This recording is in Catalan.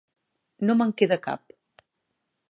No me'n queda cap.